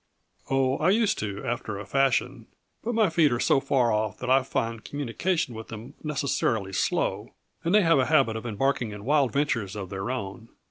"Oh, I used to, after a fashion. But my feet are so far off that I find communication with them necessarily slow, and they have a habit of embarking in wild ventures of their own.